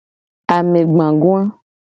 Amegbagoa.